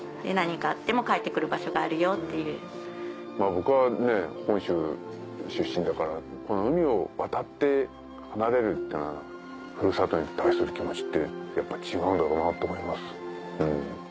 僕は本州出身だから海を渡って離れるっていうのはふるさとに対する気持ちって違うんだろうなって思います。